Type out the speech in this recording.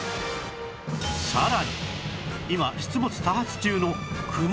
さらに今出没多発中のクマ